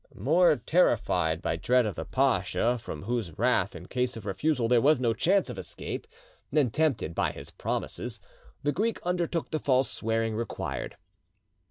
More terrified by dread of the pacha, from whose wrath in case of refusal there was no chance of escape, than tempted by his promises, the Greek undertook the false swearing required.